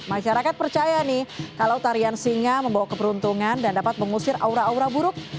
masyarakat percaya nih kalau tarian singa membawa keberuntungan dan dapat mengusir aura aura buruk